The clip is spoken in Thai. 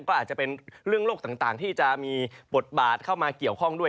ก็อาจจะเป็นเรื่องโลกต่างที่จะมีบทบาทเข้ามาเกี่ยวข้องด้วย